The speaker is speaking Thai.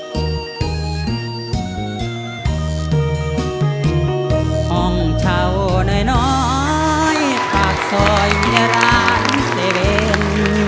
ของเจ้าหน่อยภาคซอยเมียร้านเซเบน